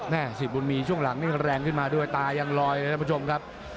สิทธิ์บุญมีช่วงหลังนี่แรงขึ้นมาด้วยตายังลอยเลยท่านผู้ชมครับ